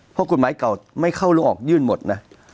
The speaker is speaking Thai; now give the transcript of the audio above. เพราะกฎหมายเก่าไม่เข้าหรือออกยื่นหมดนะ